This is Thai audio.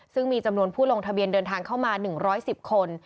ซึ่งมีจำนวนผู้ลงทะเบียนเดินทางเข้ามา๑๑๐คน